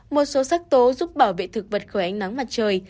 một số sắc tố giúp bảo vệ thực vật khỏi ánh nắng mặt trời